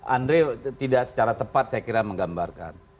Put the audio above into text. andre tidak secara tepat saya kira menggambarkan